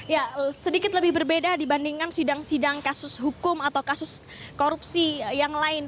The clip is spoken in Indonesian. ya sedikit lebih berbeda dibandingkan sidang sidang kasus hukum atau kasus korupsi yang lain